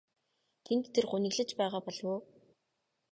Тэнд тэр гуниглаж байгаа болов уу?